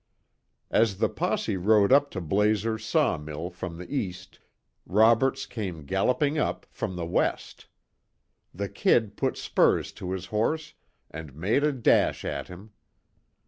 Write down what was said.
As the posse rode up to Blazer's saw mill from the east, Roberts came galloping up from the west. The "Kid" put spurs to his horse and made a dash at him.